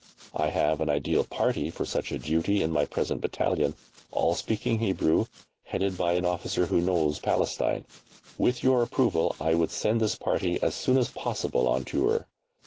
I have an ideal party for such a duty in my present battalion, all speaking Hebrew, headed by an officer who knows Palestine. With your approval I would send this party as soon as possible on tour.